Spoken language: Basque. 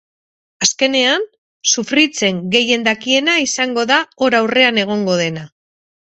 Azkenean, sufritzen gehien dakiena izango da hor aurrean egongo dena.